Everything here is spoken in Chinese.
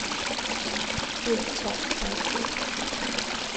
叶鞘开裂。